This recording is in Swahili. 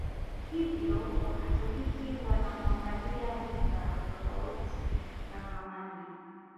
Hivyo Wakatoliki wanamuangalia Luther tofauti na zamani